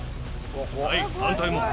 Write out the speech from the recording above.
はい、反対も。